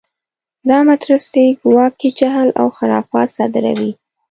دا مدرسې ګواکې جهل و خرافات راصادروي.